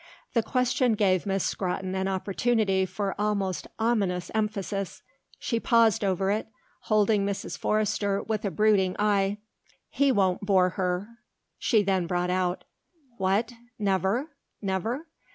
The question gave Miss Scrotton an opportunity for almost ominous emphasis; she paused over it, holding Mrs. Forrester with a brooding eye. "He won't bore her," she then brought out. "What, never? never?"